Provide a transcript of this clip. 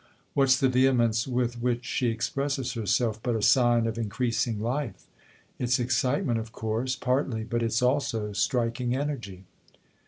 What's the vehemence with which she expresses herself but a sign of increasing life ? It's excitement, of course partly ; but it's also striking energy."